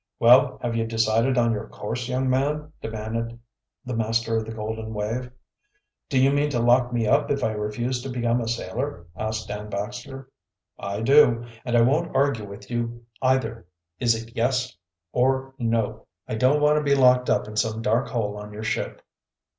"Well, have you decided on your course, young man?" demanded the master of the Golden Wave. "Do you mean to lock me up if I refuse to become a sailor?" asked Dan Baxter, "I do, and I won't argue with you, either. Is it yes or no?" "I don't want to be locked up in some dark hole on your ship."